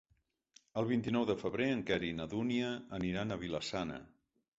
El vint-i-nou de febrer en Quer i na Dúnia aniran a Vila-sana.